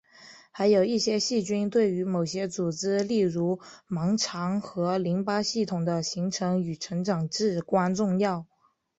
还有一些细菌对于某些组织例如盲肠和淋巴系统的形成与成长至关重要。